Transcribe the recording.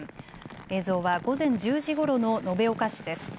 映像は午前１０時ごろの延岡市です。